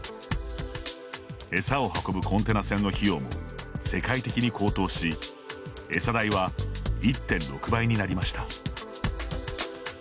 餌を運ぶコンテナ船の費用も世界的に高騰し餌代は１．６倍になりました。